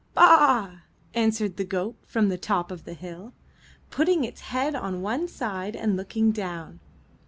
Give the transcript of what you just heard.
'* Ba a a!*' answered the goat from the top of the hill, putting its head on one side and looking down.